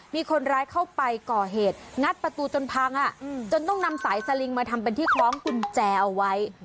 มีคนร้ายเข้าไปก่อเหตุงัดประตูจนพังจนต้องนำสายสลิงมาทำเป็นที่คล้องกุญแจเอาไว้